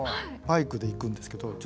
バイクで行くんですけど。